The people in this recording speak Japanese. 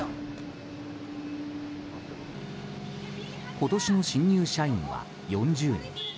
今年の新入社員は４０人。